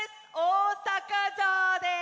おおさかじょうです！